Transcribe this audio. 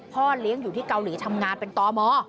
พ่อเลี้ยงอยู่ที่เกาหลีทำงานเป็นตม